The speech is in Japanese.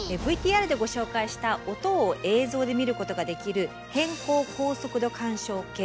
ＶＴＲでご紹介した音を映像で見ることができる偏光高速度干渉計。